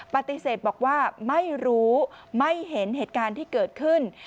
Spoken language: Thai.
ปฏิเสธบอกว่าไม่รู้ไม่เห็นเหตุการณ์ที่เกิดขึ้น